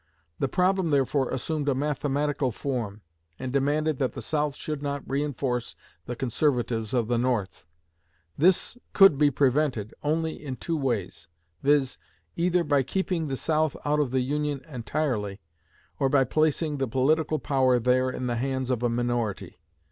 The problem therefore assumed a mathematical form, and demanded that the South should not reinforce the Conservatives of the North. This could be prevented only in two ways, viz.; either by keeping the South out of the Union entirely or by placing the political power there in the hands of a minority.